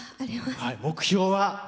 目標は？